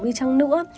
đi chăng nữa